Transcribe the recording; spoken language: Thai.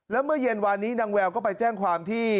แล้วเมื่อเย็นวานนี้นางแววก็ไปแจ้งความที่